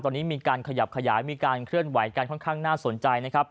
ตอนนี้มีการขยับขยายมีการเคลื่อนไหวกันค่อนข้างน่าสนใจนะครับ